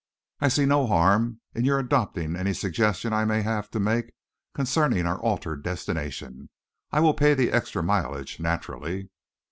I see no harm in your adopting any suggestions I may have to make concerning our altered destination. I will pay the extra mileage, naturally."